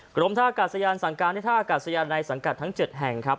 กรมท่ากาศยานสั่งการให้ท่าอากาศยานในสังกัดทั้ง๗แห่งครับ